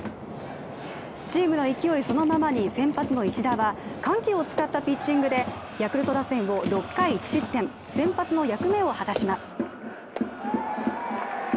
チームの勢いそのままに、先発の石田は緩急を使ったピッチングでヤクルト打線を６回１失点先発の役目を果たします。